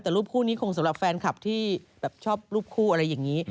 แต่รูปคู่นี้คงสำหรับแฟนคลับที่แบบชอบรูปคู่อะไรอย่างนี้